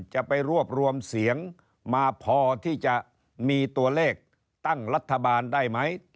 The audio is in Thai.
จะไปรวบรวมเสียงมาพอที่จะมีตัวเลขตั้งรัฐบาลได้ไหม